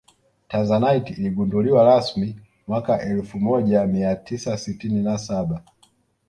tanzanite iligunduliwa rasmi mwaka elfu moja mia tisa sitini na saba